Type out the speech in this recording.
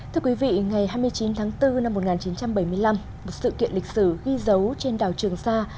thưa quý vị ngày hai mươi chín tháng bốn năm một nghìn chín trăm bảy mươi năm một sự kiện lịch sử ghi dấu trên đảo trường sa